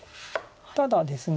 ただですね